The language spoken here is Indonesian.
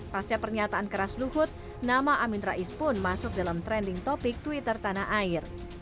pasca pernyataan keras luhut nama amin rais pun masuk dalam trending topic twitter tanah air